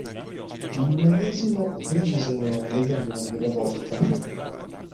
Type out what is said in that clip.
Il medesimo ridisegnò i medaglioni della volta.